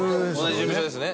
同じ事務所ですね